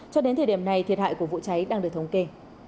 cho đến thời điểm này thiệt hại của vụ cháy đang được thống kê